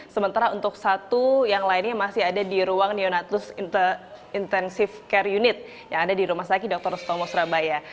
sementara untuk satu yang lainnya masih ada di ruang neonatus intensive care unit yang ada di rumah sakit dr sutomo surabaya